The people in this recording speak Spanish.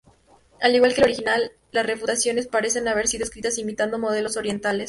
Al igual que el original, las refutaciones parecen haber sido escritas imitando modelos orientales.